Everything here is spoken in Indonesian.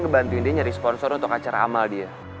ngebantuin dia nyari sponsor untuk acara amal dia